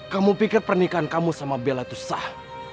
kamu pikir pernikahan kamu sama bella itu sah